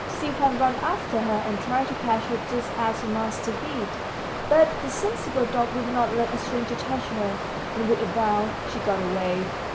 Stepan ran after her, and tried to catch her just at her master's feet; but the sensible dog would not let a stranger touch her, and with a bound, she got away.